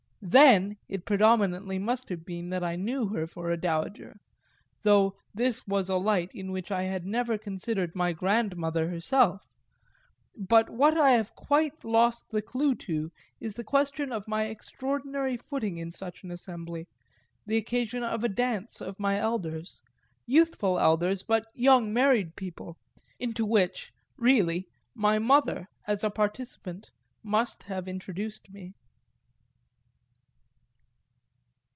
Then it predominantly must have been that I knew her for a dowager though this was a light in which I had never considered my grandmother herself; but what I have quite lost the clue to is the question of my extraordinary footing in such an assembly, the occasion of a dance of my elders, youthful elders but young married people, into which, really, my mother, as a participant, must have introduced me.